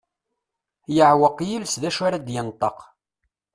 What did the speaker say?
Yeɛweq yiles d acu ara d-yenṭeq.